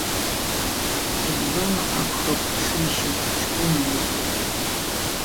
Ҳәызбала акәхап дшишьыз, ҷкәына мыжда!